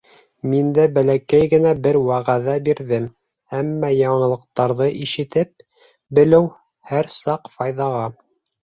Мин дә бәләкәй генә бер вәғәҙә бирҙем, әммә яңылыҡтарҙы ишетеп белеү һәр саҡ файҙаға.